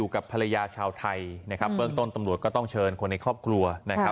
คนเดียว